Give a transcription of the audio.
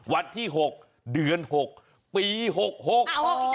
วันที่หกเดือนหกปีหกหก